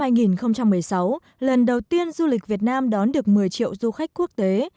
năm hai nghìn một mươi sáu lần đầu tiên du lịch việt nam đón được một mươi triệu du khách quốc tế